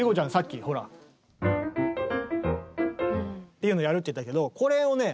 っていうのやるって言ったけどこれをね